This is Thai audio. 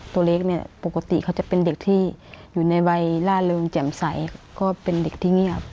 ตัวเล็กเนี่ยปกติเขาจะเป็นเด็กที่อยู่ในวัยล่าเริงแจ่มใสก็เป็นเด็กที่เงียบ